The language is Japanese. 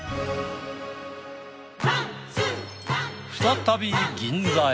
再び銀座へ。